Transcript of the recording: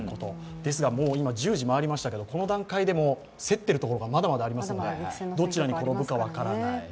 ですが、今、もう１０時回りましたけど競ってるところがまだまだありますので、どちらに転ぶか分からない。